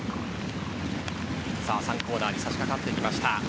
３コーナーに差し掛かってきました。